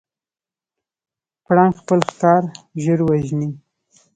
پړانګ خپل ښکار ژر وژني.